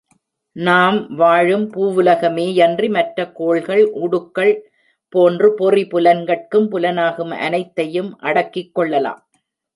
நாம் வாழும் பூவுலகமேயன்றி, மற்ற கோள்கள், உடுக்கள் போன்று பொறி புலன் கட்குப் புலனாகும் அனைத்தையும் அடக்கிக் கொள்ளலாம்.